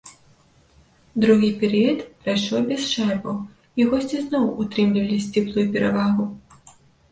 Другі перыяд прайшоў без шайбаў і госці зноў утрымлівалі сціплую перавагу.